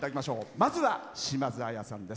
まずは島津亜矢さんです。